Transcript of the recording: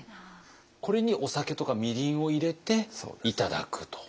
これにお酒とかみりんを入れていただくと。